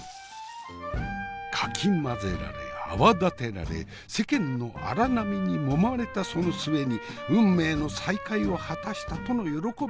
かき混ぜられ泡立てられ世間の荒波にもまれたその末に運命の再会を果たしたとの喜びもつかの間。